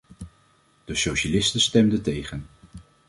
De socialisten stemden tegen!